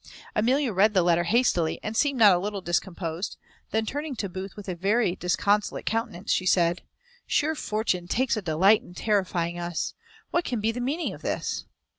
Amelia read the letter hastily, and seemed not a little discomposed; then, turning to Booth with a very disconsolate countenance, she said, "Sure fortune takes a delight in terrifying us! what can be the meaning of this?"